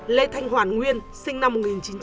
lê thanh hoàn nguyên sinh năm một nghìn chín trăm tám mươi